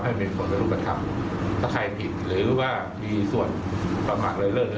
ไม่มีผลลูกฐัพถ้าใครผิดหรือว่ามีส่วนประมาณเรื่อย